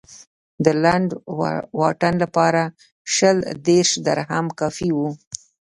د لنډ واټن لپاره شل دېرش درهم کافي و.